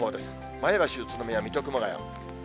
前橋、宇都宮、水戸、熊谷。